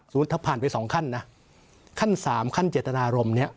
ถ้าผ่านไปสองขั้นนะขั้นสามขั้นเจตนารมณ์นี้